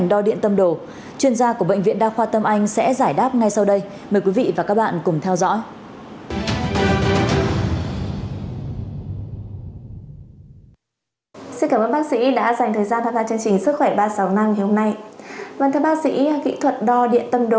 đo điện tâm đồ là một phương pháp thăm dò cân đâm sản